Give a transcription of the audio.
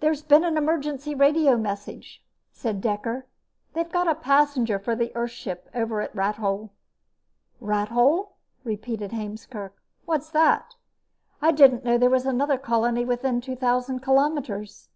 "There's been an emergency radio message," said Dekker. "They've got a passenger for the Earthship over at Rathole." "Rathole?" repeated Heemskerk. "What's that? I didn't know there was another colony within two thousand kilometers."